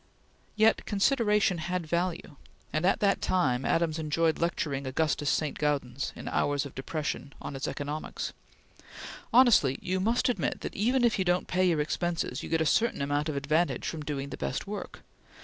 Yet consideration had value, and at that time Adams enjoyed lecturing Augustus St. Gaudens, in hours of depression, on its economics: "Honestly you must admit that even if you don't pay your expenses you get a certain amount of advantage from doing the best work.